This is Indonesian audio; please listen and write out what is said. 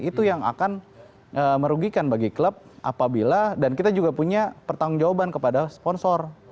itu yang akan merugikan bagi klub apabila dan kita juga punya pertanggung jawaban kepada sponsor